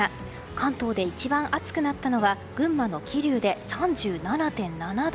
関東で一番暑くなったのは群馬の桐生で３７．７度。